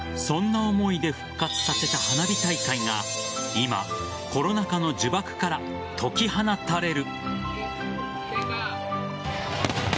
そんな思いで復活させた花火大会が今、コロナ禍の呪縛から解き放たれる。